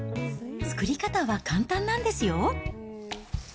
作り方は簡単なんですよ。